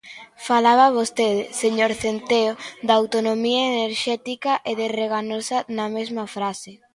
Falaba vostede, señor Centeo, da autonomía enerxética e de Reganosa na mesma frase.